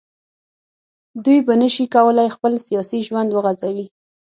دوی به نه شي کولای خپل سیاسي ژوند وغځوي